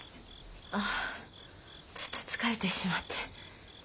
ああちょっと疲れてしまって。